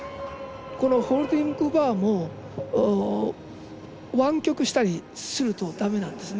ホールディングバーも湾曲したりするとだめなんですね。